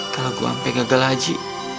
kalau gue sampe gagal aja